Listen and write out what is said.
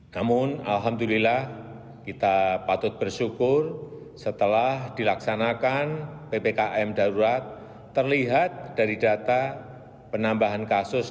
namun alhamdulillah kita patut bersyukur setelah dilaksanakan ppkm darurat terlihat dari data penambahan kasus